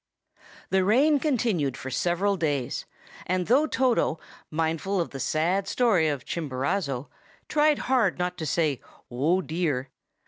THE rain continued for several days; and though Toto, mindful of the sad story of Chimborazo, tried hard not to say "Oh, dear!"